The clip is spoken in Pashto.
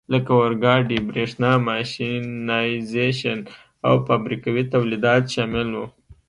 لکه اورګاډي، برېښنا، ماشینایزېشن او فابریکوي تولیدات شامل وو.